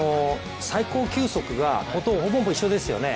最高球速がほとんど一緒ですよね